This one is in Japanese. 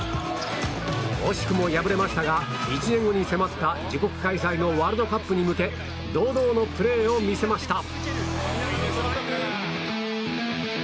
惜しくも敗れましたが１年後に迫った自国開催のワールドカップに向け堂々のプレーを見せました。